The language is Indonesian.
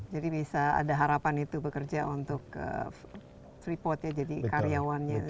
jadi bisa ada harapan itu bekerja untuk tripot ya jadi karyawannya